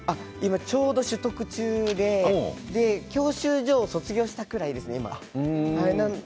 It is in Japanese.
ちょうど取得中で教習所を卒業したくらいですね今。